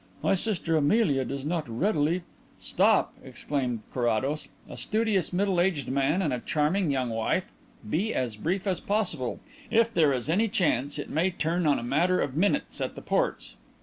My sister Amelia does not readily " "Stop!" exclaimed Carrados. "A studious middle aged man and a charming young wife! Be as brief as possible. If there is any chance it may turn on a matter of minutes at the ports.